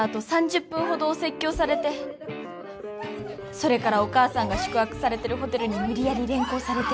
それからお母さんが宿泊されているホテルに無理やり連行されて。